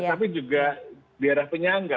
tapi juga daerah penyangga